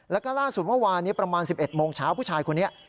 แล้วก็ล่าสุดเมื่อวานนี้ประมาณ๑๑โมงเช้าผู้ชายคนนี้